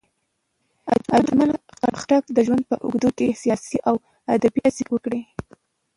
اجمل خټک د ژوند په اوږدو کې سیاسي او ادبي هڅې وکړې.